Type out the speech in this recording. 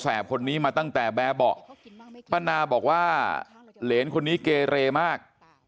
คนนี้มาตั้งแต่แบบเบาะป้านาบอกว่าเหรนคนนี้เกเรมาก